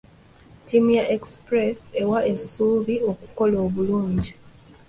Ttiimu ya Express ewa essuubi okukola obulungi.